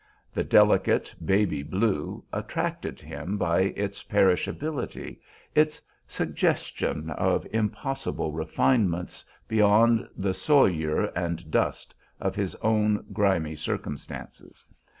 The delicate "baby blue" attracted him by its perishability, its suggestion of impossible refinements beyond the soilure and dust of his own grimy circumstances.